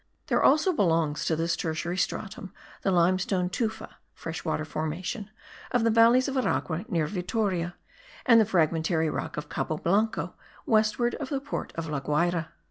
There also belongs to this tertiary stratum the limestone tufa (fresh water formation) of the valleys of Aragua near Vittoria, and the fragmentary rock of Cabo Blanco, westward of the port of La Guayra.